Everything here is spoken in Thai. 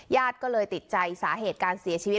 ญาติก็เลยติดใจสาเหตุการเสียชีวิต